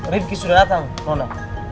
rivki sudah dateng nona